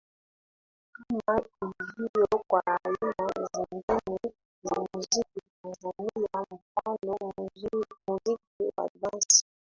Kama ilivyo kwa aina zingine za muziki Tanzania mfano muziki wa dansi